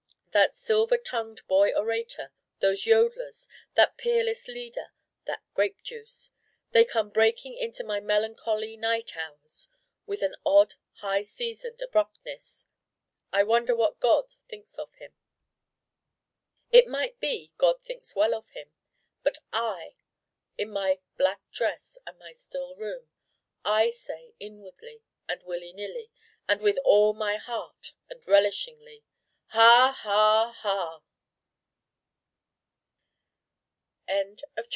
that Silver tongued Boy Orator those Yodlers that Peerless Leader that Grape juice They come breaking into my melancholy night hours with an odd high seasoned abruptness. I wonder what God thinks of him. It might be God thinks well of him. But I in my black dress and my still room I say inwardly and willy nilly, and with all my Heart and relishingly: Ha! ha!